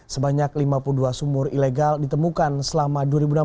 sebanyak lima puluh dua sumur ilegal ditemukan selama dua ribu enam belas